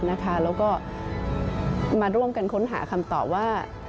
แล้วก็มาร่วมกันค้นหาคำตอบว่า